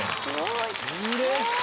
うれしい！